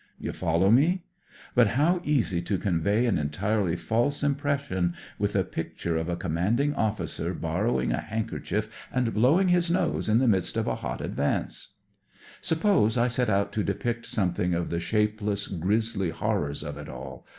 You follow me. But how easy to convey an entirely false impression, with a picture of a com 54 DESCRIBING INDESCRIBABLE iriftfi^^ipg officer borrowing a handkerchief and blowing his nose in the midst of a hot advance. Suppose I set out to depict something of the shapeless, grisly horrors of it all.